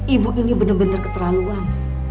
ibu ini bener bener keterlaluan